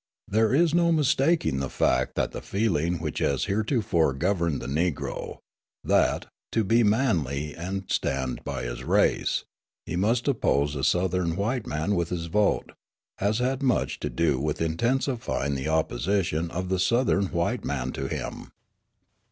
There is no mistaking the fact that the feeling which has heretofore governed the Negro that, to be manly and stand by his race, he must oppose the Southern white man with his vote has had much to do with intensifying the opposition of the Southern white man to him.